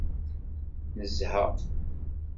Nezha.